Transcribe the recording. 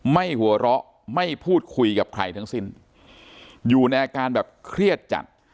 หัวเราะไม่พูดคุยกับใครทั้งสิ้นอยู่ในอาการแบบเครียดจัด